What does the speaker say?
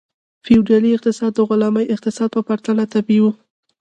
فیوډالي اقتصاد د غلامي اقتصاد په پرتله طبیعي و.